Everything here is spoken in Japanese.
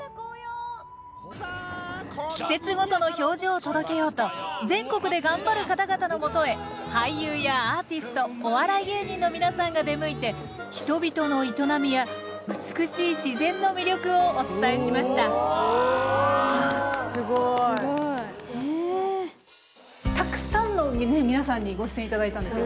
季節ごとの表情を届けようと全国で頑張る方々のもとへ俳優やアーティストお笑い芸人の皆さんが出向いて人々の営みや美しい自然の魅力をお伝えしましたたくさんの皆さんにご出演頂いたんですよ